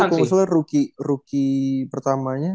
tapi kalo misalnya rookie pertamanya